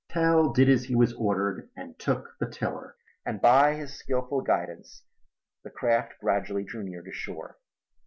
Tell did as he was ordered and took the tiller. And by his skilful guidance the craft gradually drew near to shore.